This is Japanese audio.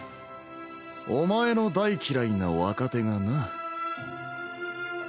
お前の大嫌いな若手がな。